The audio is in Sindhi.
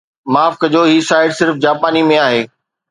معاف ڪجو هي سائيٽ صرف جاپاني ۾ آهي